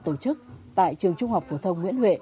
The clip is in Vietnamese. tổ chức tại trường trung học phổ thông nguyễn huệ